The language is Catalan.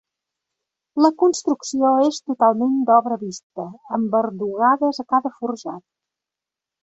La construcció és totalment d'obra vista, amb verdugades a cada forjat.